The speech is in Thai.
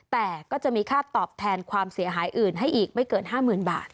แต่ก็จะมีค่าตอบแทนความเสียหายอื่นให้อีกไม่เกิน๕๐๐๐บาท